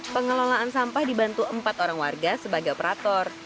pengelolaan sampah dibantu empat orang warga sebagai operator